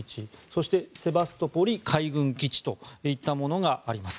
そして、セバストポリ海軍基地といったものがあります。